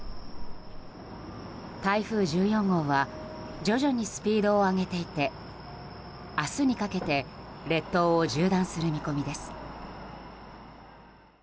台風１４号は徐々にスピードを上げていて明日にかけて列島を縦断する見込みです。